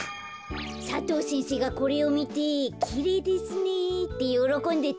佐藤先生がこれをみて「きれいですね」ってよろこんでたんだ。